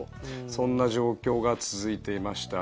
そんな状況が続いていました。